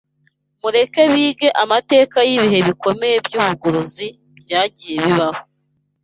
Mureke bige amateka y’ibihe bikomeye by’ubugorozi byagiye bibaho